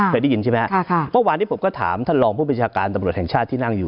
เมื่อวานที่ผมก็ถามท่านรองผู้บริษัการตำรวจแห่งชาติที่นั่งอยู่